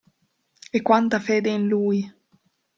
E quanta fede in lui!